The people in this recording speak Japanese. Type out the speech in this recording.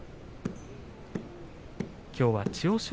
きょうは千代翔